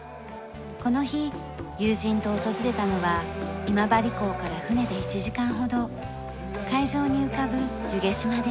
この日友人と訪れたのは今治港から船で１時間ほど海上に浮かぶ弓削島です。